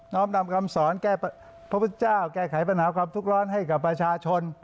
้อมนำคำสอนแก้พระพุทธเจ้าแก้ไขปัญหาความทุกข์ร้อนให้กับประชาชน